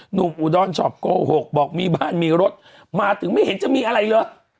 อุดรชอบโกหกบอกมีบ้านมีรถมาถึงไม่เห็นจะมีอะไรเลย